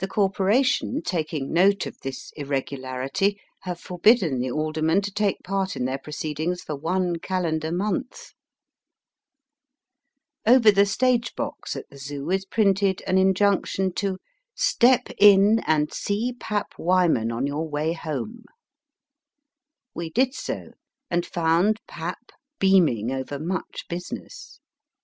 The corporation, taking note of this irregularity, have forbidden the alderman to take part in their proceedings for one calendar month. Over the stage box at the Zoo is printed an injunction to *' Step in and see Pap Wyman Digitized by VjOOQIC A MINING CAMP IN THE BOOKY MOUNTAINS. 89 on your way home." We did so, and found Pap beaming over much business.